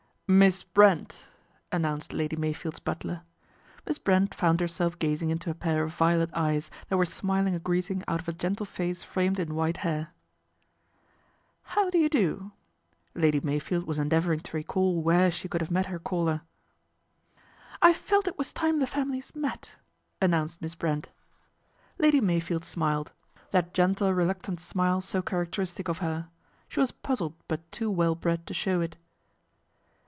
" Miss Brent !" announced Lady Meyfield's butler. Miss Brent foun I herself gazing into a pair of violet eyes that were smiling a greeting out of a gentle face framed in white hair. " How do you do !" Lady Meyfield was endeavouring to recall where she could have met her caller. " I felt it was time the families met," announced Miss Brent. Lady Meyfield smiled, that gentle reluctant 134 PATRICIA BRENT, SPINSTER smile so characteristic of her. She was puzzled; but too well bred to show it.